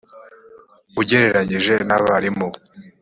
masters ugereranyije n abarimu